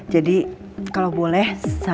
siap pak bos